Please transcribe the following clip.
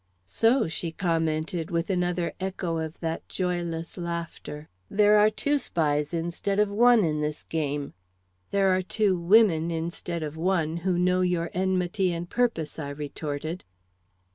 "So!" she commented, with another echo of that joyless laughter; "there are two spies instead of one in this game!" "There are two women instead of one who know your enmity and purpose," I retorted.